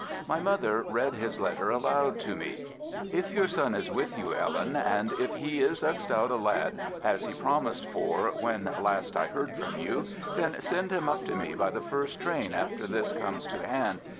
My mother read his letter aloud to me: "If your son is with you, Ellen, and if he is as stout a lad as he promised for when last I heard from you, then send him up to me by the first train after this comes to hand.